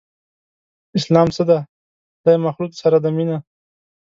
اسلام څه دی؟ خدای مخلوق سره ده مينه